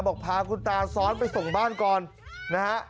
พาคุณตาซ้อนไปส่งบ้านก่อนนะฮะ